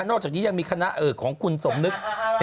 อกจากนี้ยังมีคณะของคุณสมนึก